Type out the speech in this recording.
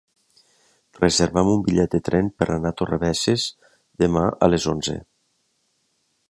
Reserva'm un bitllet de tren per anar a Torrebesses demà a les onze.